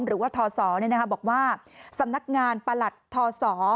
หรือว่าทศบอกว่าสำนักงานประหลัดทศ